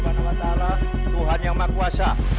dan berat allah swt tuhan yang makuasa